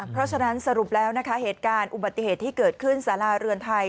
เพราะฉะนั้นสรุปแล้วนะคะเหตุการณ์อุบัติเหตุที่เกิดขึ้นสาราเรือนไทย